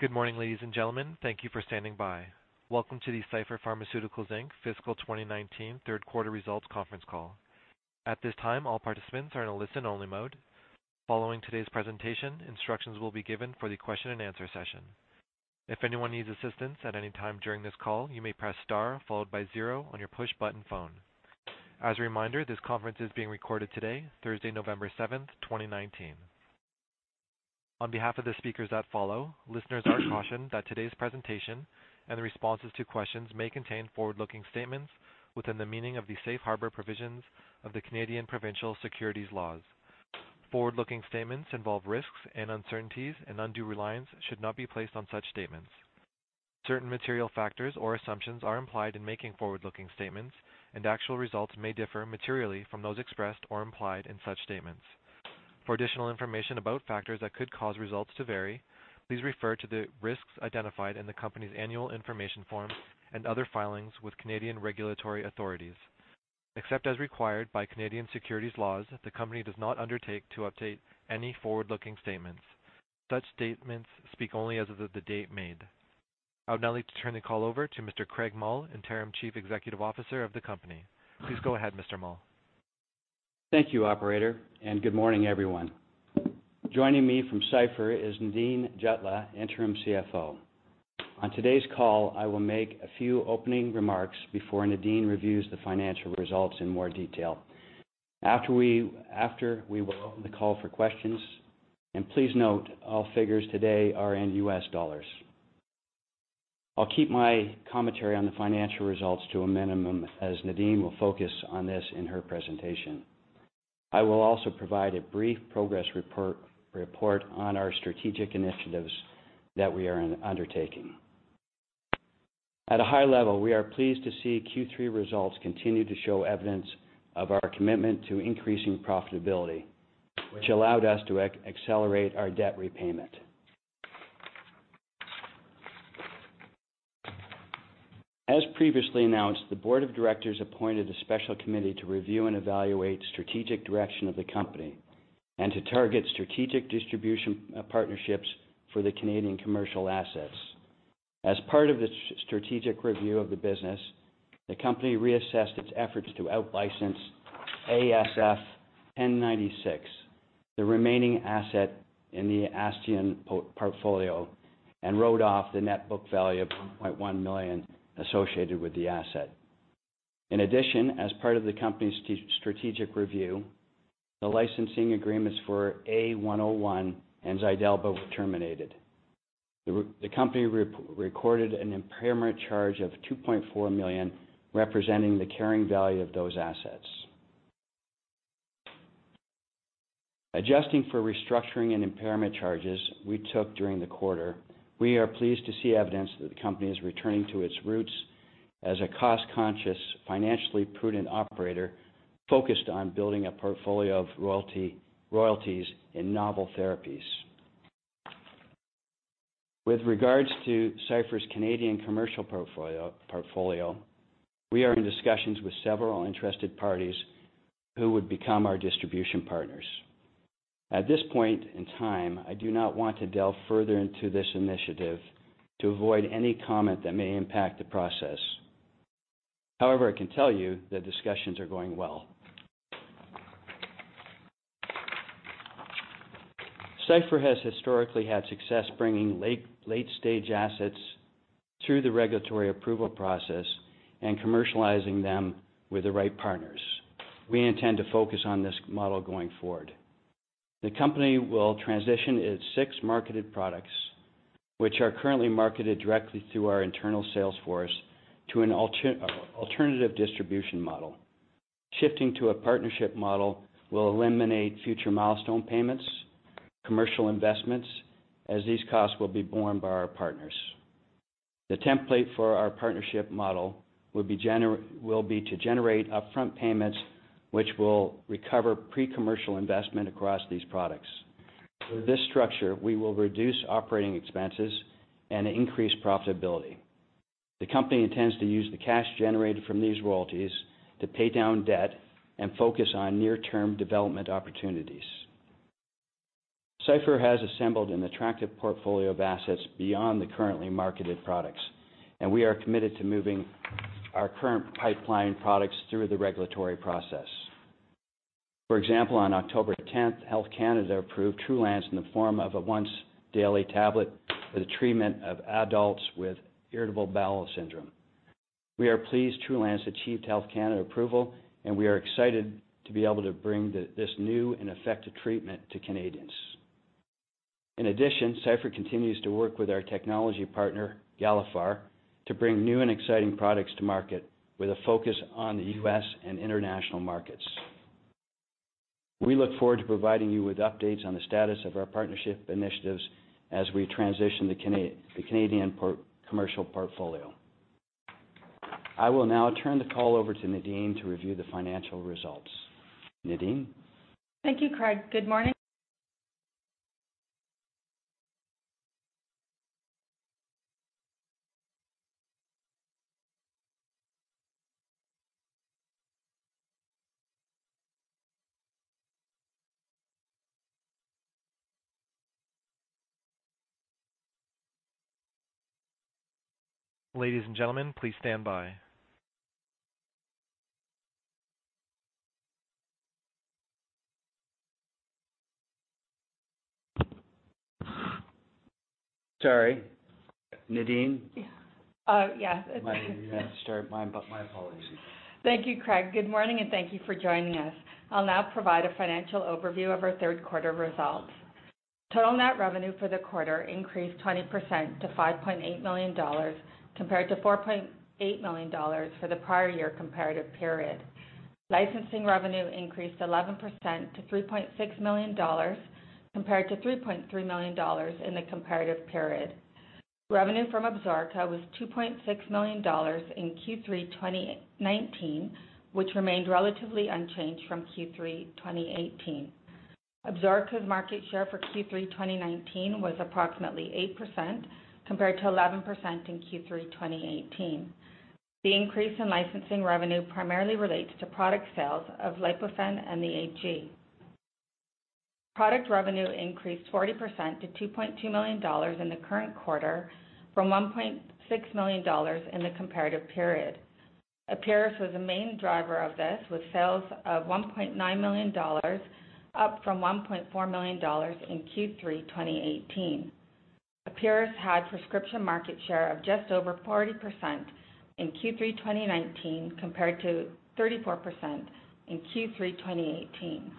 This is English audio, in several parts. Good morning, ladies and gentlemen. Thank you for standing by. Welcome to the Cipher Pharmaceuticals Inc fiscal 2019 third quarter results conference call. At this time, all participants are in a listen-only mode. Following today's presentation, instructions will be given for the question-and-answer session. If anyone needs assistance at any time during this call, you may press star followed by zero on your push-button phone. As a reminder, this conference is being recorded today, Thursday, November 7th, 2019. On behalf of the speakers that follow, listeners are cautioned that today's presentation and the responses to questions may contain forward-looking statements within the meaning of the safe harbor provisions of the Canadian provincial securities laws. Forward-looking statements involve risks and uncertainties, and undue reliance should not be placed on such statements. Certain material factors or assumptions are implied in making forward-looking statements, and actual results may differ materially from those expressed or implied in such statements. For additional information about factors that could cause results to vary, please refer to the risks identified in the company's Annual Information Form and other filings with Canadian regulatory authorities. Except as required by Canadian securities laws, the company does not undertake to update any forward-looking statements. Such statements speak only as of the date made. I would now like to turn the call over to Mr. Craig Mull, Interim Chief Executive Officer of the company. Please go ahead, Mr. Mull. Thank you, Operator, and good morning, everyone. Joining me from Cipher is Nadine Jutlah, Interim CFO. On today's call, I will make a few opening remarks before Nadine reviews the financial results in more detail. After we will open the call for questions, and please note all figures today are in U.S. dollars. I'll keep my commentary on the financial results to a minimum, as Nadine will focus on this in her presentation. I will also provide a brief progress report on our strategic initiatives that we are undertaking. At a high level, we are pleased to see Q3 results continue to show evidence of our commitment to increasing profitability, which allowed us to accelerate our debt repayment. As previously announced, the Board of Directors appointed a special committee to review and evaluate the strategic direction of the company and to target strategic distribution partnerships for the Canadian commercial assets. As part of the strategic review of the business, the company reassessed its efforts to out-license ASF-1096, the remaining asset in the Astion portfolio, and wrote off the net book value of $1.1 million associated with the asset. In addition, as part of the company's strategic review, the licensing agreements for A-101 and Xydalba were terminated. The company recorded an impairment charge of $2.4 million, representing the carrying value of those assets. Adjusting for restructuring and impairment charges we took during the quarter, we are pleased to see evidence that the company is returning to its roots as a cost-conscious, financially prudent operator focused on building a portfolio of royalties in novel therapies. With regards to Cipher's Canadian commercial portfolio, we are in discussions with several interested parties who would become our distribution partners. At this point in time, I do not want to delve further into this initiative to avoid any comment that may impact the process. However, I can tell you that discussions are going well. Cipher has historically had success bringing late-stage assets through the regulatory approval process and commercializing them with the right partners. We intend to focus on this model going forward. The company will transition its six marketed products, which are currently marketed directly through our internal sales force, to an alternative distribution model. Shifting to a partnership model will eliminate future milestone payments, commercial investments, as these costs will be borne by our partners. The template for our partnership model will be to generate upfront payments, which will recover pre-commercial investment across these products. With this structure, we will reduce operating expenses and increase profitability. The company intends to use the cash generated from these royalties to pay down debt and focus on near-term development opportunities. Cipher has assembled an attractive portfolio of assets beyond the currently marketed products, and we are committed to moving our current pipeline products through the regulatory process. For example, on October 10th, Health Canada approved TRULANCE in the form of a once-daily tablet for the treatment of adults with irritable bowel syndrome. We are pleased TRULANCE achieved Health Canada approval, and we are excited to be able to bring this new and effective treatment to Canadians. In addition, Cipher continues to work with our technology partner, Galephar, to bring new and exciting products to market with a focus on the U.S. and international markets. We look forward to providing you with updates on the status of our partnership initiatives as we transition the Canadian commercial portfolio. I will now turn the call over to Nadine to review the financial results. Nadine? Thank you, Craig. Good morning. Ladies and gentlemen, please stand by. Sorry. Nadine? Yeah. Yeah. You had to start. My apologies. Thank you, Craig. Good morning, and thank you for joining us. I'll now provide a financial overview of our third quarter results. Total net revenue for the quarter increased 20% to $5.8 million, compared to $4.8 million for the prior year comparative period. Licensing revenue increased 11% to $3.6 million, compared to $3.3 million in the comparative period. Revenue from Absorica was $2.6 million in Q3 2019, which remained relatively unchanged from Q3 2018. Absorica's market share for Q3 2019 was approximately 8%, compared to 11% in Q3 2018. The increase in licensing revenue primarily relates to product sales of Lipofen and the AG. Product revenue increased 40% to $2.2 million in the current quarter, from $1.6 million in the comparative period. Epuris was a main driver of this, with sales of $1.9 million, up from $1.4 million in Q3 2018. Epuris had prescription market share of just over 40% in Q3 2019, compared to 34% in Q3 2018.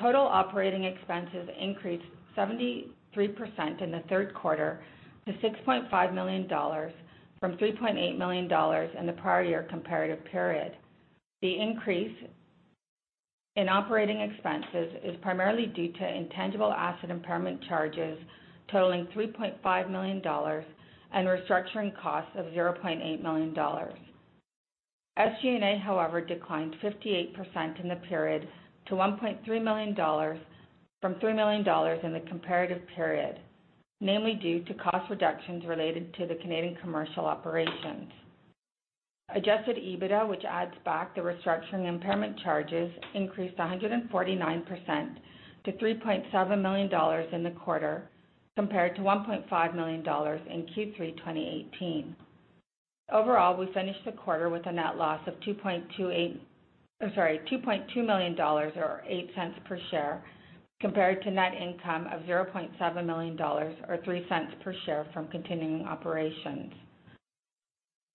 Total operating expenses increased 73% in the third quarter to $6.5 million, from $3.8 million in the prior year comparative period. The increase in operating expenses is primarily due to intangible asset impairment charges totaling $3.5 million and restructuring costs of $0.8 million. SG&A, however, declined 58% in the period to $1.3 million, from $3 million in the comparative period, namely due to cost reductions related to the Canadian commercial operations. Adjusted EBITDA, which adds back the restructuring impairment charges, increased 149% to $3.7 million in the quarter, compared to $1.5 million in Q3 2018. Overall, we finished the quarter with a net loss of $2.2 million or $0.08 per share, compared to net income of $0.7 million or $0.03 per share from continuing operations.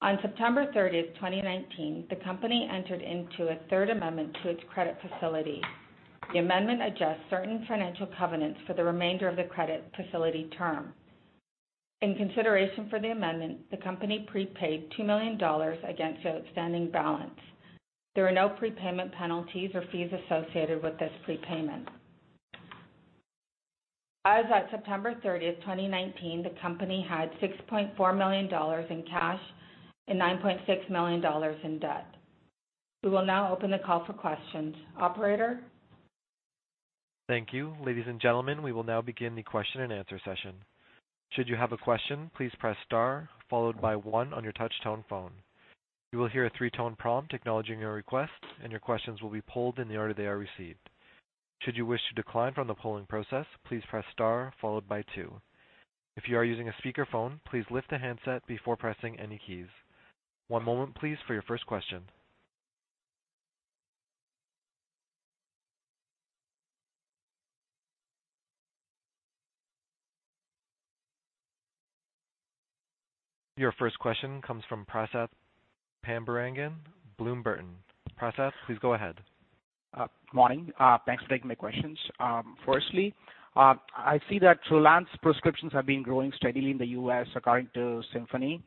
On September 30th, 2019, the company entered into a third amendment to its credit facility. The amendment adjusts certain financial covenants for the remainder of the credit facility term. In consideration for the amendment, the company prepaid $2 million against the outstanding balance. There are no prepayment penalties or fees associated with this prepayment. As of September 30th, 2019, the company had $6.4 million in cash and $9.6 million in debt. We will now open the call for questions. Operator? Thank you. Ladies and gentlemen, we will now begin the question-and-answer session. Should you have a question, please press star followed by one on your touch-tone phone. You will hear a three-tone prompt acknowledging your request, and your questions will be polled in the order they are received. Should you wish to decline from the polling process, please press star followed by two. If you are using a speakerphone, please lift the handset before pressing any keys. One moment, please, for your first question. Your first question comes from Prasath Pandurangan, Bloom Burton. Prasath, please go ahead. Good morning. Thanks for taking my questions. Firstly, I see that TRULANCE prescriptions have been growing steadily in the U.S., according to Symphony.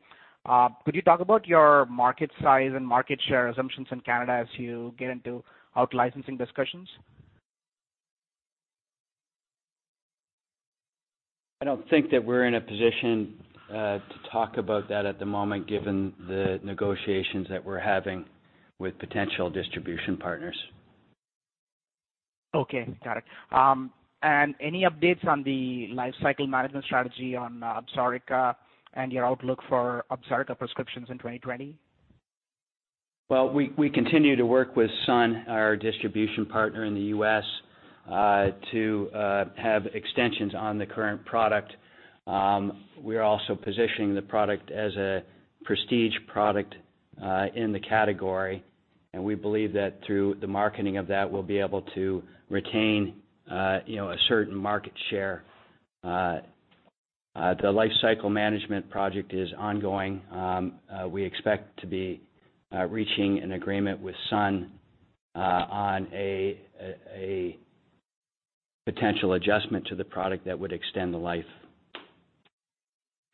Could you talk about your market size and market share assumptions in Canada as you get into out-licensing discussions? I don't think that we're in a position to talk about that at the moment, given the negotiations that we're having with potential distribution partners. Okay. Got it. And any updates on the life cycle management strategy on Absorica and your outlook for Absorica prescriptions in 2020? We continue to work with Sun, our distribution partner in the U.S., to have extensions on the current product. We are also positioning the product as a prestige product in the category, and we believe that through the marketing of that, we'll be able to retain a certain market share. The life cycle management project is ongoing. We expect to be reaching an agreement with Sun on a potential adjustment to the product that would extend the life.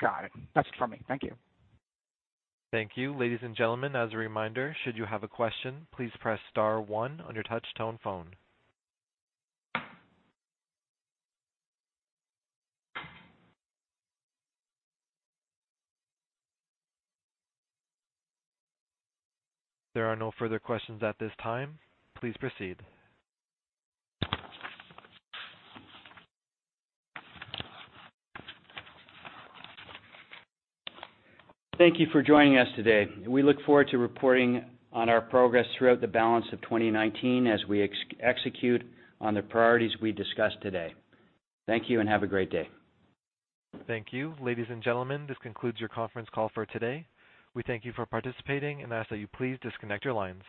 Got it. That's it from me. Thank you. Thank you. Ladies and gentlemen, as a reminder, should you have a question, please press star one on your touch-tone phone. There are no further questions at this time. Please proceed. Thank you for joining us today. We look forward to reporting on our progress throughout the balance of 2019 as we execute on the priorities we discussed today. Thank you and have a great day. Thank you. Ladies and gentlemen, this concludes your conference call for today. We thank you for participating and ask that you please disconnect your lines.